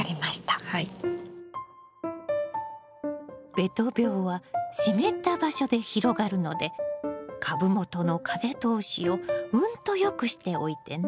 べと病は湿った場所で広がるので株元の風通しをうんと良くしておいてね。